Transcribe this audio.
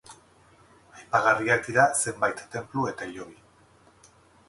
Aipagarriak dira zenbait tenplu eta hilobi.